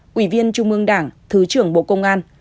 quỷ viên trung ương đảng thứ trưởng bộ công an